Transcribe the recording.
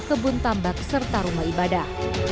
kebun tambak serta rumah ibadah